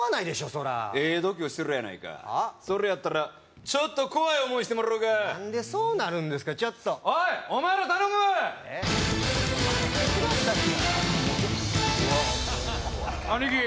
そらええ度胸しとるやないかそれやったらちょっと怖い思いしてもらおうか何でそうなるんですかちょっとおいお前ら頼む兄貴